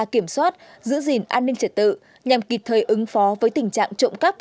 kiểm soát giữ gìn an ninh trật tự nhằm kịp thời ứng phó với tình trạng trộm cắp